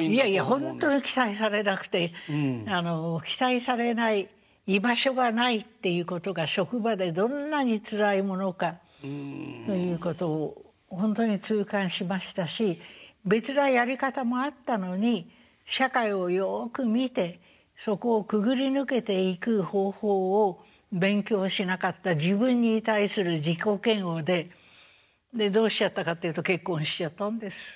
いやいやほんとに期待されなくてあの期待されない居場所がないっていうことが職場でどんなにつらいものかということをほんとに痛感しましたし別なやり方もあったのに社会をよく見てそこをくぐり抜けていく方法を勉強しなかった自分に対する自己嫌悪ででどうしちゃったかっていうと結婚しちゃったんです。